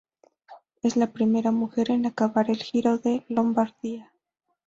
Es la primera mujer en acabar el Giro de Lombardía.